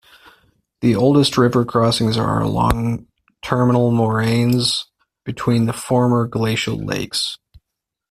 The oldest river crossings are along terminal moraines between the former glacial lakes.